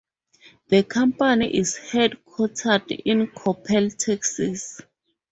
The company is headquartered in Coppell, Texas.